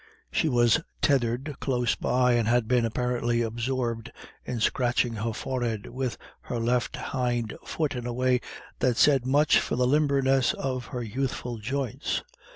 She was tethered close by, and had been apparently absorbed in scratching her forehead with her left hind foot in a way that said much for the limberness of her youthful joints.